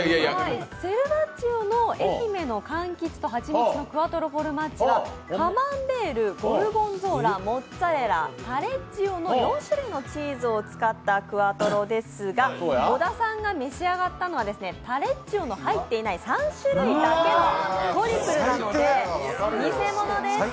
Ｓｅｌｖａｇｇｉｏの愛媛の柑橘とハチミツのクワトロフォルマッジはカマンベール、ゴルゴンゾーラ、モッツァレラ、タレッジオの４種類のチーズを使ったクワトロですが、小田さんが召し上がったのはタレッジオが入っていない３種類だけのトリプルなので偽物です。